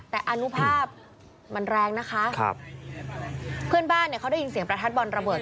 แต่อนุภาพมันแรงนะคะครับเพื่อนบ้านเนี่ยเขาได้ยินเสียงประทัดบอลระเบิด